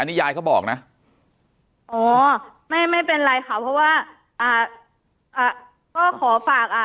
นี่ยายเขาบอกนะอ๋อไม่ไม่เป็นไรค่ะเพราะว่าอ่าอ่าก็ขอฝากอ่า